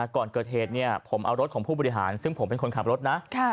ก่อนเกิดเหตุผมเอารถของผู้บริหารซึ่งผมเป็นคนขับรถนะ